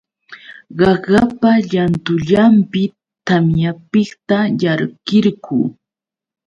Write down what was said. Qaqapa llantullanpi tamyapiqta ayqirquu.